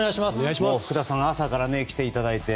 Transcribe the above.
福田さんは朝から来ていただいて。